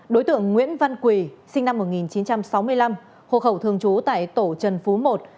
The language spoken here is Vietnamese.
đối tượng nguyễn văn quỳ sinh năm một nghìn chín trăm sáu mươi năm hộ khẩu thường trú tại tổ trần phú một